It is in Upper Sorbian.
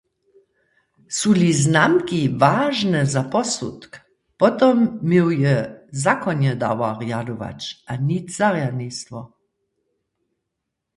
Su-li znamki wažne za posudk, potom měł je zakonjedawar rjadować a nic zarjadnistwo.